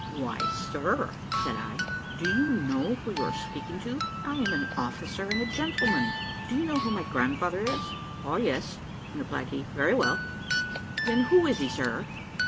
"Why, sir," said I, "do you know who you are speaking to? I am an officer and a gentleman. Do you know who my grandfather is?" "O yes," replied he, "very well." "Then, who is he, sir?"